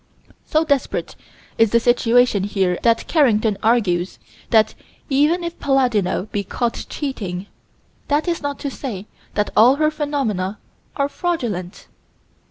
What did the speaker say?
So desperate is the situation here that Carrington argues that, even if Palladino be caught cheating, that is not to say that all her phenomena are fraudulent.